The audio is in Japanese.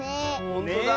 ほんとだ！